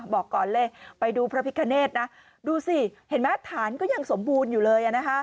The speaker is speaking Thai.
บอกก่อนเลยไปดูพระพิคเนธนะดูสิเห็นไหมฐานก็ยังสมบูรณ์อยู่เลย